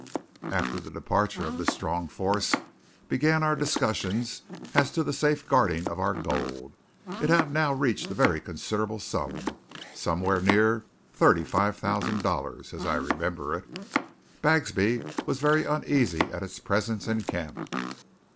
After the departure of this strong force, began our discussions as to the safeguarding of our gold. It had now reached a very considerable sum somewhere near thirty five thousand dollars, as I remember it. Bagsby was very uneasy at its presence in camp.